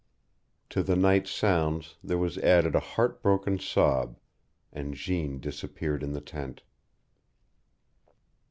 To the night sounds there was added a heart broken sob, and Jeanne disappeared in the tent.